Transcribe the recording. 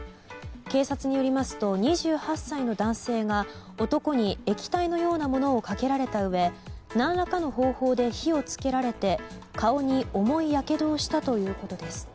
警察によりますと２８歳の男性が男に液体のようなものをかけられたうえ何らかの方法で火を付けられて顔に重いやけどをしたということです。